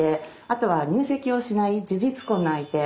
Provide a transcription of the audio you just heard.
あとは入籍をしない事実婚の相手。